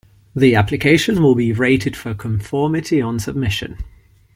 The application will be rated for conformity on submission.